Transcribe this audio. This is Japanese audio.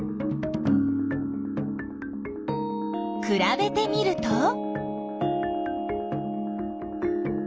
くらべてみると？